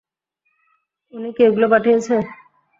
ওনি কি এগুলো পাঠিয়েছে?